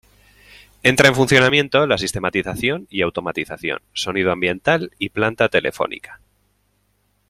Entra en funcionamiento la sistematización y automatización, sonido ambiental y planta telefónica.